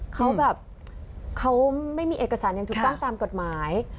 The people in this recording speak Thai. เขาแบบเขาไม่มีเอกสารอย่างถูกต้องตามกฎหมาย